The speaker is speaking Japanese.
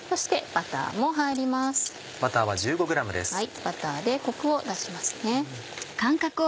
バターでコクを出しますね。